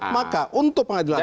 maka untuk pengajlanannya